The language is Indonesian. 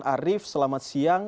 arief selamat siang